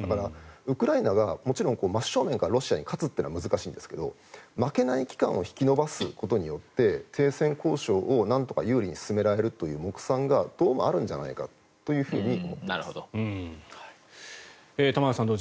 だから、ウクライナがもちろん真正面からロシアに勝つのは難しいんですが負けない期間を引き延ばすことによって停戦交渉をなんとか有利に進められるという目算がどうもあるんじゃないかと思います。